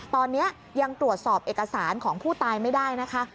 ตอนนี้ยังตรวจสอบเอกสารของผู้ตายไม่ได้นะคะ